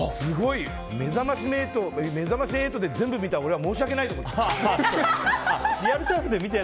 「めざまし８」で全部見た俺は申し訳ないと思ってる。